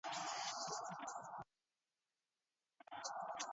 But he had miscalculated, underestimating the depth of feeling in Scotland.